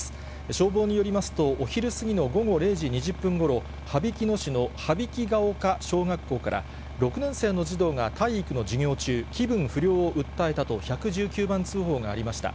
消防によりますと、お昼過ぎの午後０時２０分ごろ、羽曳野市の羽曳が丘小学校から、６年生の児童が体育の授業中、気分不良を訴えたと、１１９番通報がありました。